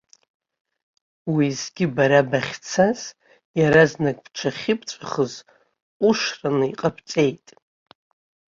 Уеизгьы бара бахьцаз, иаразнак бҽахьыбҵәахыз ҟәышраны иҟабҵеит.